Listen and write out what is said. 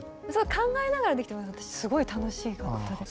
考えながらできて私すごい楽しかったです。